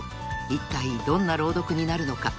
［いったいどんな朗読になるのか？］